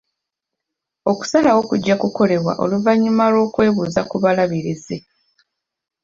Okusalawo kujja kukolebwa oluvannyuma lw'okwebuuza ku balabirizi.